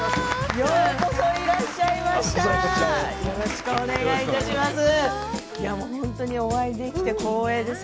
よろしくお願いします。